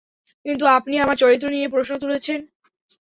কিন্তু আপনি আমার চরিত্র নিয়ে প্রশ্ন তুলছেন।